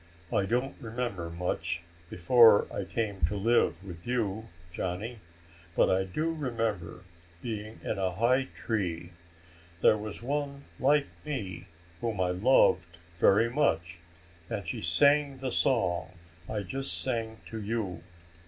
I don't remember much before I came to live with you, Johnny. But I do remember being in a high tree. There was one like me whom I loved very much, and she sang the song I just sang to you.